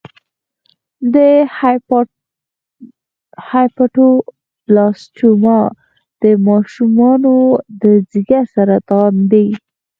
د هیپاټوبلاسټوما د ماشومانو د ځګر سرطان دی.